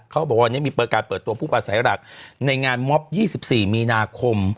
เขาบอกว่าวันนี้มีประกาศเปิดตัวผู้ประสัยหลักในงานมอบ๒๔มีนาคม